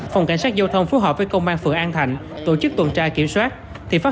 phòng cảnh sát giao thông phối hợp với công an phường an thạnh tổ chức tuần tra kiểm soát thì phát